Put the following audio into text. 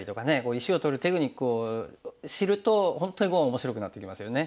石を取るテクニックを知ると本当に碁は面白くなってきますよね。